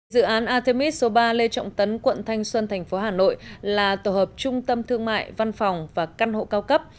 dự án artemis số ba lê trọng tấn quận thanh xuân thành phố hà nội là tổ hợp trung tâm thương mại văn phòng và căn hộ cao cấp